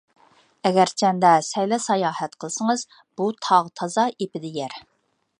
ئەگەرچەندە سەيلە - ساياھەت قىلسىڭىز، بۇ تاغ تازا ئېپىدە يەر.